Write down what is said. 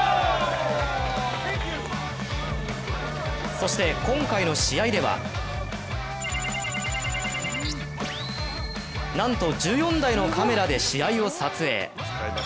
そして今回の試合ではなんと１４台のカメラで試合を撮影。